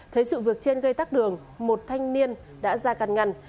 thấy sự việc trên gây tắc đường một thanh niên đã ra căn ngăn